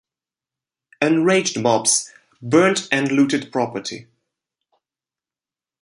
Enraged mobs burnt and looted property.